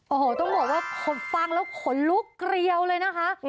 โอ้โหต้องบอกว่าฟังแล้วขนลุกเกรียวเลยนะคะ